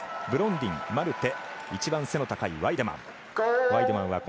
ブロンディン、マルテ一番背の高いワイデマン。